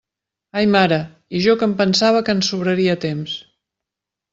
Ai mare, i jo que em pensava que ens sobraria temps.